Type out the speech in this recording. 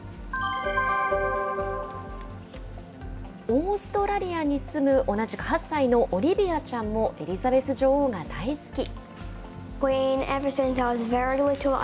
オーストラリアに住む同じく８歳のオリビアちゃんもエリザベス女王が大好き。